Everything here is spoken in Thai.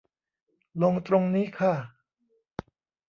ลงตรงนี้ค่ะ